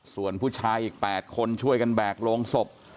ส่วนผู้ชายอีก๘คนช่วยกันแบกโรงศพ